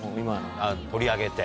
取り上げて。